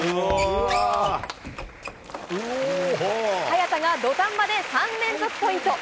早田が土壇場で３連続ポイント。